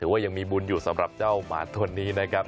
ว่ายังมีบุญอยู่สำหรับเจ้าหมาตัวนี้นะครับ